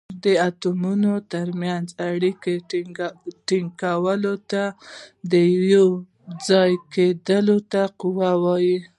د اتومونو تر منځ اړیکې ټینګولو ته د یو ځای کیدو قوه وايي.